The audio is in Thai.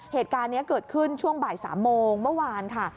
เหตุการณ์นี้เกิดขึ้นช่วงบ่าย๓โมงเมื่อวานค่ะ